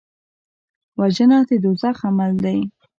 وژنه د دوزخ عمل دی